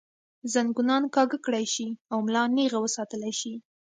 زنګونان کاږۀ کړے شي او ملا نېغه وساتلے شي